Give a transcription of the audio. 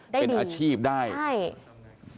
ได้ดีเป็นอาชีพได้ใช่